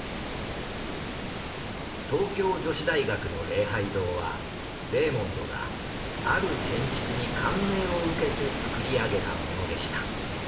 東京女子大学の「礼拝堂」はレーモンドがある建築に感銘を受けて造り上げたものでした。